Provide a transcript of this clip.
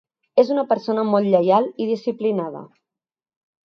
És una persona molt lleial i disciplinada.